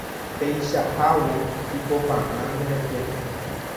Péichahágui ipopa'ã nderehe